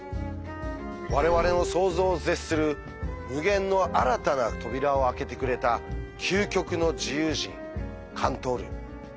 我々の想像を絶する無限の新たな扉を開けてくれた究極の自由人カントール。